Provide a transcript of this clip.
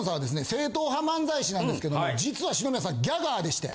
正統派漫才師なんですけども実は篠宮さんギャガーでして。